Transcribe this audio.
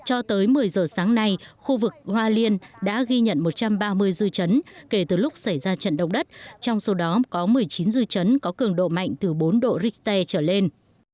cho tới một mươi giờ sáng nay khu vực hoa liên đã ghi nhận một trăm ba mươi dư chấn kể từ lúc xảy ra trận động đất trong số đó có một mươi chín dư chấn có cường độ mạnh từ bốn độ richter trở lên